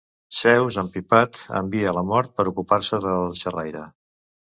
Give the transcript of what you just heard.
Zeus empipat envia la Mort per ocupar-se del xerraire.